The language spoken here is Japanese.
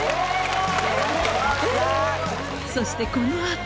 そしてこの後